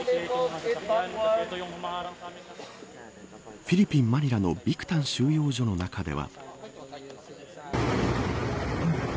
フィリピン、マニラのビクタン収容所の中では。